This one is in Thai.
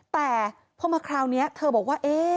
แต่พอมาคราวนี้เธอบอกว่า